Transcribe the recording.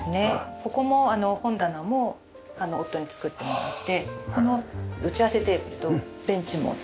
ここも本棚も夫に作ってもらってこの打ち合わせテーブルとベンチも作ってもらって。